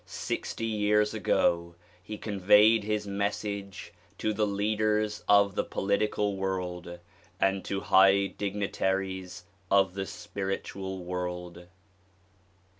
Sixty years ago he conveyed his message to the leaders of the political world and to high dignitaries of the spiritual world.